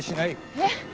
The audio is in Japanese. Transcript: えっ？